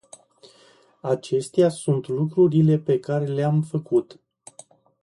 Acestea sunt lucrurile pe care le-am făcut.